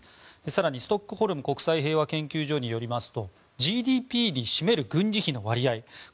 更に、ストックホルム国際平和研究所によりますとＧＤＰに占める軍事費の割合